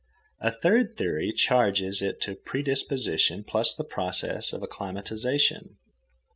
A third theory charges it to predisposition plus the process of acclimatization.